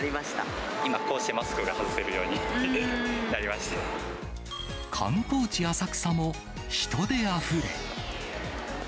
今、こうしてマスクが外せる観光地、浅草も人であふれ。